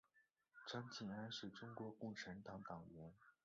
张敬安是中国共产党党员。